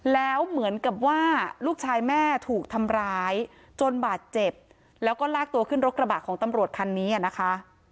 แล้วเหมือนกับว่าลูกชายแม่ถูกทำร้ายจนบาดเจ็บแล้วก็ลากตัวขึ้นรถกระบะของตำรวจคันนี้นะคะ